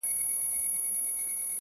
جاله هم سوله پر خپل لوري روانه!.